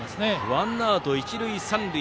ワンアウト一塁三塁。